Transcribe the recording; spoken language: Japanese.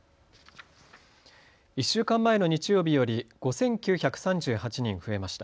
１週間前の日曜日より５９３８人増えました。